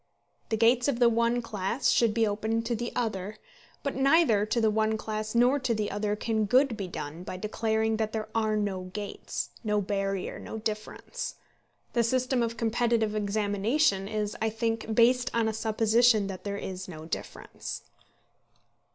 The gates of the one class should be open to the other; but neither to the one class nor to the other can good be done by declaring that there are no gates, no barrier, no difference. The system of competitive examination is, I think, based on a supposition that there is no difference.